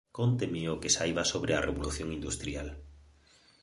Cónteme o que saiba sobre a Revolución Industrial